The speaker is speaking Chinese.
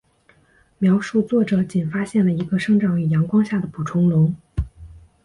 描述作者仅发现了一个生长于阳光下的捕虫笼。